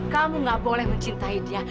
kamu gak boleh mencintai dia